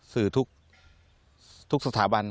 สื่อทุกสถาบัน